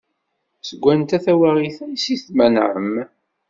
Seg wanta tawaɣit-a iseg d-tmenɛem?